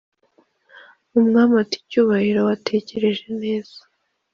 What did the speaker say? umwami ati"cyubahiro watekereje neza?"